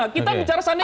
kita bicara sandanya